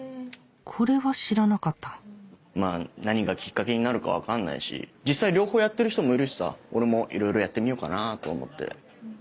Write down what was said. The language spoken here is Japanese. これは知らなかったまぁ何がきっかけになるか分かんないし実際両方やってる人もいるしさ俺もいろいろやってみようかなと思って。